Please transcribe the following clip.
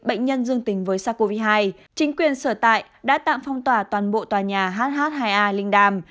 bệnh nhân dương tình với sars cov hai chính quyền sửa tạng đã tạm phong tỏa toàn bộ tòa nhà hh hai a linh đàm